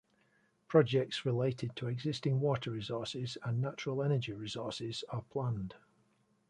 Projects related to existing water resources and natural energy resources are planned.